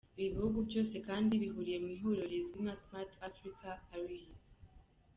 Ibi bihugu byose kandi bihuriye mu ihuriro rizwi nka ‘Smart Africa Alliance’.